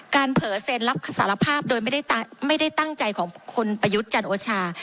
การเผ๋อเซ็นรับสารภาพโดยไม่ได้อ่ามไม่ได้ตั้งใจของคุณปยุจจันโอชา